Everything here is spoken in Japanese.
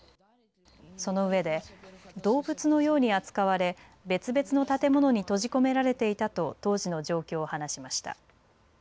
そのうえで動物のように扱われ別々の建物に閉じ込められていたと当時の状況を話しました。